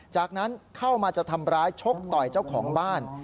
จากนั้นเข้ามาจะทำร้ายชกต่อยเจ้าของบ้าน